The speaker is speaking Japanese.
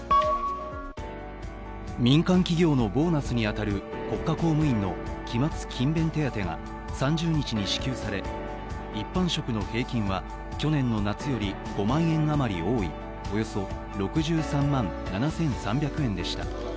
民間企業のボーナスに当たる国家公務員の期末・勤勉手当が３０日に支給され一般職の平均は去年の夏より５万円あまり多いおよそ６３万７３００円でした。